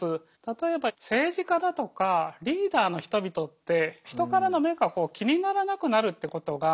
例えば政治家だとかリーダーの人々って人からの目が気にならなくなるってことがあるみたいです。